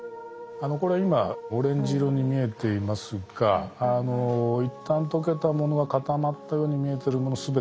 これ今オレンジ色に見えていますが一旦溶けたものが固まったように見えてるもの